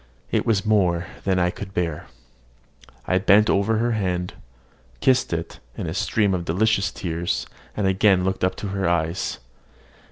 It was more than I could bear. I bent over her hand, kissed it in a stream of delicious tears, and again looked up to her eyes.